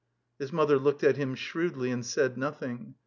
His mother looked at him shrewdly and said nothing.